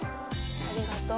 ありがとう。